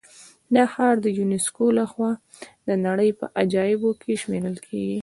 دا ښار د یونسکو له خوا د نړۍ په عجایبو کې شمېرل کېږي.